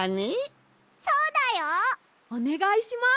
そうだよ！おねがいします！